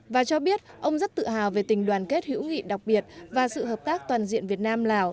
và cho biết ông rất tự hào về tình đoàn kết hữu nghị đặc biệt và sự hợp tác toàn diện việt nam lào